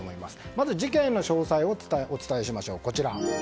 まず事件の詳細をお伝えしましょう。